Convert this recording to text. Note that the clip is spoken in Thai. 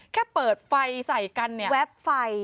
แค่เปิดไฟใส่กันเนี่ย